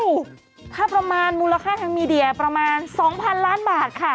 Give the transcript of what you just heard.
โอ้วถ้าประมาณมูลค่าเฉลี่ยประมาณ๒พันล้านบาทค่ะ